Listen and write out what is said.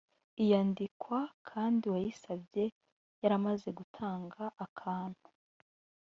iyandikwa kandi uwayisabye yaramaze gutanga akantu